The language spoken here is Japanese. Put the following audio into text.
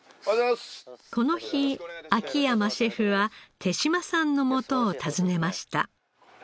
この日秋山シェフは手島さんのもとを訪ねました。